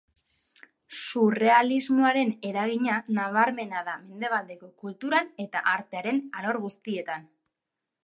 Surrealismoaren eragina nabarmena da mendebaleko kulturan eta artearen alor guztietan.